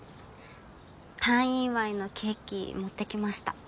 退院祝のケーキ持ってきました。